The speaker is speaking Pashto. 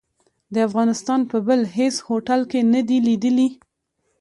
د افغانستان په بل هيڅ هوټل کې نه دي ليدلي.